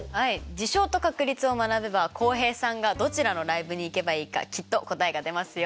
事象と確率を学べば浩平さんがどちらのライブに行けばいいかきっと答えが出ますよ。